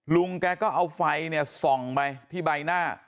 ลุงแกก็เอาไฟเนี่ยส่องไปที่ใบหน้า